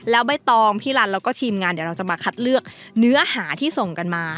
แล้วใบตองพี่ลันแล้วก็ทีมงานเดี๋ยวเราจะมาคัดเลือกเนื้อหาที่ส่งกันมา